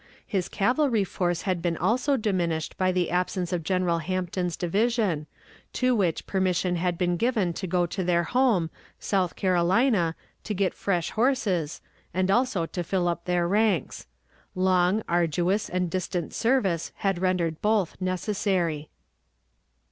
His cavalry force had been also diminished by the absence of General Hampton's division, to which permission had been given to go to their home, South Carolina, to get fresh horses, and also to fill up their ranks. Long, arduous, and distant service had rendered both necessary.